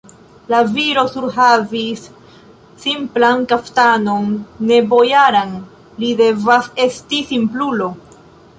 La viro surhavis simplan kaftanon, ne bojaran, li devas esti simplulo!